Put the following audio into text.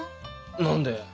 何で？